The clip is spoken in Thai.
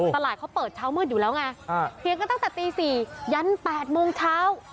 ตลาดเขาเปิดเช้ามืดอยู่แล้วไงเถียงกันตั้งแต่ตี๔ยัน๘โมงเช้า